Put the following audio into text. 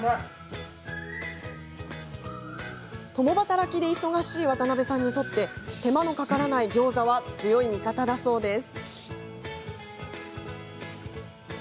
共働きで忙しい渡辺さんにとって手間のかからないギョーザは強い味方だそうです。